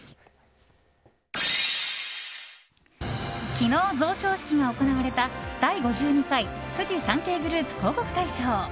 昨日、贈賞式が行われた第５２回フジサンケイグループ広告大賞。